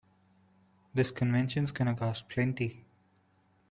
This convention's gonna cost plenty.